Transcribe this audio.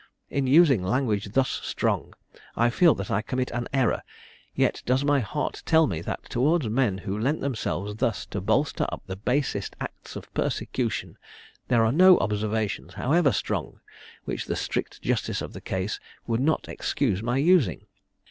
In using language thus strong, I feel that I commit an error; yet does my heart tell me, that towards men who lent themselves thus to bolster up the basest acts of persecution, there are no observations, however strong, which the strict justice of the case would not excuse my using.